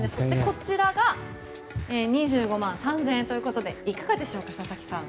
こちらが２５万３０００円ということでいかがでしょうか、佐々木さん。